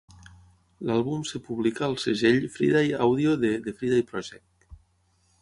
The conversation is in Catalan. L'àlbum es publica al segell Friday Audio de The Friday Project.